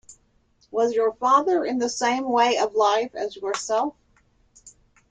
Was your father in the same way of life as yourself?